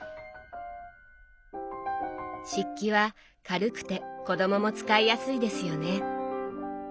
漆器は軽くて子どもも使いやすいですよね。